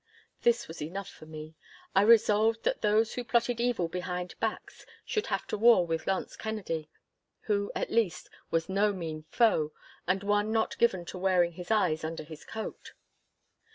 This was enough for me. I resolved that those who plotted evil behind backs should have to war with Launce Kennedy, who, at least, was no mean foe, and one not given to wearing his eyes under his coat.